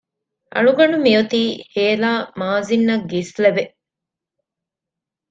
އަޅުގަނޑު މިއޮތީ ހޭލާ މާޒިން އަށް ގިސްލެވެ